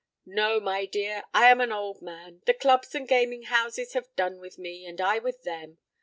"No, my dear. I am an old man; the clubs and gaming houses have done with me, and I with them.